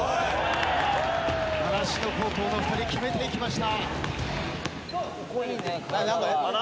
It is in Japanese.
習志野高校の２人決めていきました。